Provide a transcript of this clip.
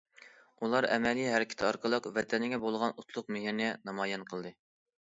ئۇلار ئەمەلىي ھەرىكىتى ئارقىلىق ۋەتەنگە بولغان ئوتلۇق مېھرىنى نامايان قىلدى.